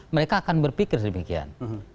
mereka akan berpikir demikian